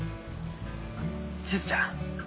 しずちゃん。